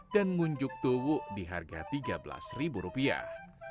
dan ngunjuk tuwuk di harga tiga belas rupiah